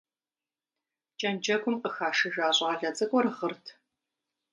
Кӏэнджэгум къыхашыжа щӏалэ цӏыкӏур гъырт.